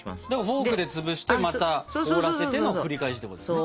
フォークで潰してまた凍らせての繰り返しってことだよね。